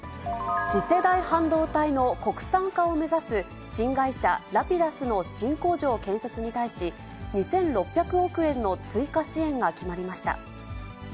次世代半導体の国産化を目指す新会社、ラピダスの新工場建設に対し、２６００億円の追加支援が決まりました。